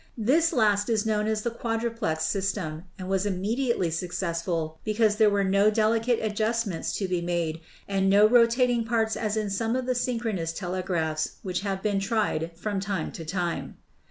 This last is known as the quadruplex system, and was immediately success ful because there were no delicate adjustments to be made and no rotating parts as in some of the synchronous tele graphs which have been tried from time to time.